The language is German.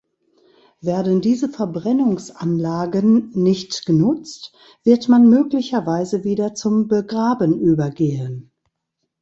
Werden diese Verbrennungsanlagen nicht genutzt, wird man möglicherweise wieder zum Begraben übergehen.